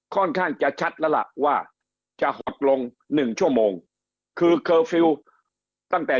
ค่อนข้างจะชัดละว่าจะหดลง๑ชั่วโมงคือเคอร์ฟิวตั้งแต่